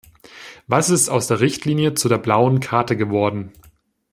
Was ist aus der Richtlinie zu der Blauen Karte geworden?